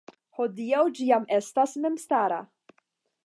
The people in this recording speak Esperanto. Hodiaŭ ĝi jam estas memstara.